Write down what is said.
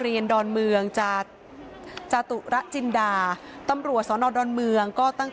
เป็นบ้านตัวเอง